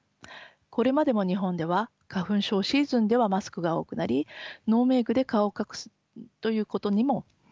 これまでも日本では花粉症シーズンではマスクが多くなりノーメークで顔を隠すということにもマスクを利用してきました。